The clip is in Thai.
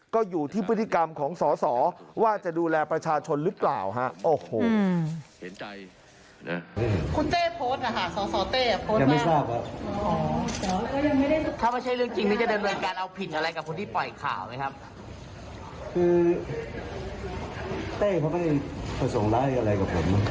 ก็อยู่ที่พฤติกรรมของสอสอว่าจะดูแลประชาชนหรือเปล่าฮะ